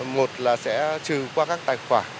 một là sẽ trừ qua các tài khoản